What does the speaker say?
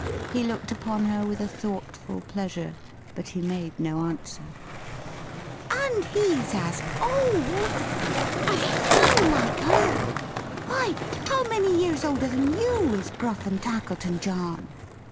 He looked upon her with a thoughtful pleasure, but he made no answer. "And he's as old! As unlike her! Why, how many years older than you, is Gruff and Tackleton John?"